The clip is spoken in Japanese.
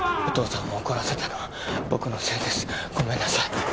「お父さんを怒らせたのは僕のせいですごめんなさい」